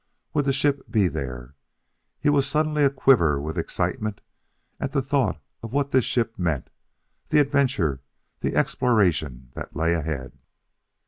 Would the ship be there? He was suddenly a quiver with excitement at the thought of what this ship meant the adventure, the exploration that lay ahead.